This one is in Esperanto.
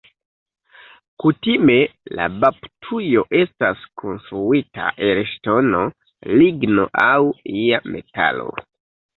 Kutime la baptujo estas konstruita el ŝtono, ligno aŭ ia metalo.